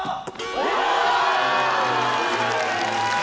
お！